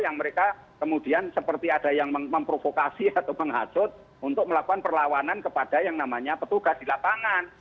yang mereka kemudian seperti ada yang memprovokasi atau menghasut untuk melakukan perlawanan kepada yang namanya petugas di lapangan